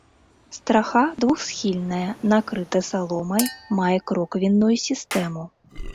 Страха двухсхільная, накрыта саломай, мае кроквенную сістэму.